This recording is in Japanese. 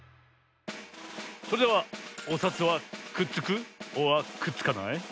それではおさつはくっつくｏｒくっつかない？